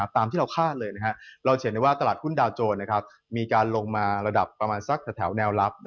ตามที่เราคาดเลยเราจะเห็นได้ว่าตลาดหุ้นดาวโจรมีการลงมาระดับประมาณสักแถวแนวรับ